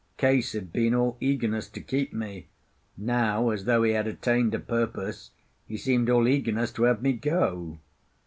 Case had been all eagerness to keep me; now, as though he had attained a purpose, he seemed all eagerness to have me go.